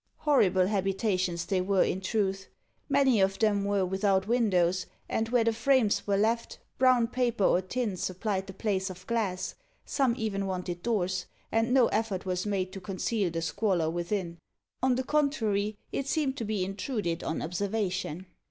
Horrible habitations they were, in truth. Many of them were without windows, and where the frames were left, brown paper or tin supplied the place of glass; some even wanted doors, and no effort was made to conceal the squalor within. On the contrary, it seemed to be intruded on observation.